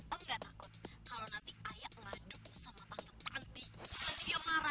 om gak takut kalau nanti ayah ngaduk sama tante tanti nanti dia marah